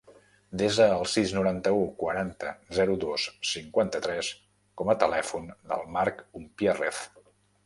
Desa el sis, noranta-u, quaranta, zero, dos, cinquanta-tres com a telèfon del Mark Umpierrez.